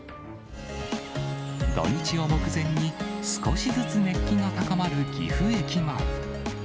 土日を目前に、少しずつ熱気が高まる岐阜駅前。